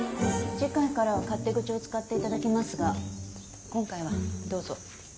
次回からは勝手口を使って頂きますが今回はどうぞ。